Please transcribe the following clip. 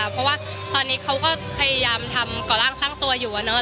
เพราะว่าตอนนี้เขาก็พยายามทำก่อร่างสร้างตัวอยู่